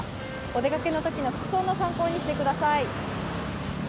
お出かけの時の服装の参考にしてください。